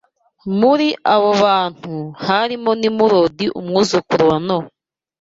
Muri abo bantu harimo Nimurodi umwuzukuruza wa Nowa